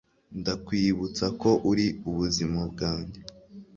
ndakwibutsa ko uri ubuzima bwanjye